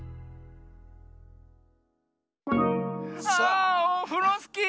あオフロスキー！